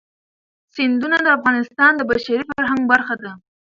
سیندونه د افغانستان د بشري فرهنګ برخه ده.